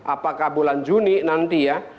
apakah bulan juni nanti ya